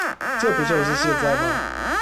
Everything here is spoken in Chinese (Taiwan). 這不就是現在嗎